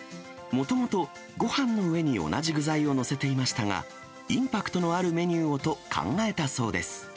もともとごはんの上に同じ具材を載せていましたが、インパクトのあるメニューをと考えたそうです。